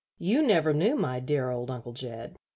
"You never knew my dear old Uncle Jed.